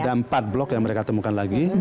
ada empat blok yang mereka temukan lagi